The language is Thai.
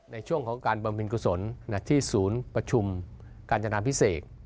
ในช่วงของการบำเพ็ญกุศลที่ศูนย์ประชุมกาญจนาพิเศษ